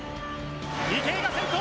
池江が先頭！